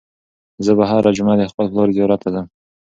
زه به هره جمعه د خپل پلار زیارت ته ځم.